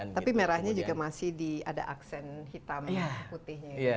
tapi merahnya juga masih ada aksen hitam putihnya